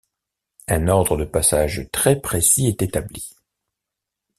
Un ordre de passage très précis est établi.